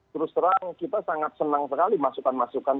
terus terang kita sangat senang sekali masukan masukan